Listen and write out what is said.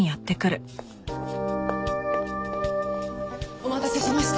お待たせしました。